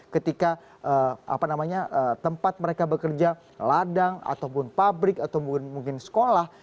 ketika tempat mereka bekerja ladang ataupun pabrik atau mungkin sekolah